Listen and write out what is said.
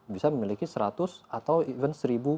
bisa memiliki seratus atau even seribu